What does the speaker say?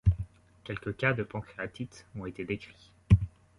Quelques cas de pancréatite ont été décrits.